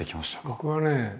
僕はね